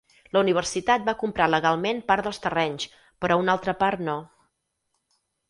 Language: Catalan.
La universitat va comprar legalment part dels terrenys, però una altra part no.